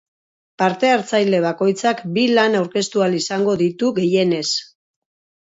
Parte-hartzaile bakoitzak bi lan aurkeztu ahal izango ditu gehienez.